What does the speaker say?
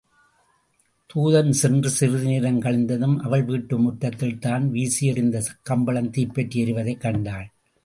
தூதன் சென்று சிறிது நேரம் கழிந்ததும், அவள் வீட்டு முற்றத்தில் தான் வீசியெறிந்த கம்பளம் தீப்பற்றி எரிவதைக் கண்டாள்.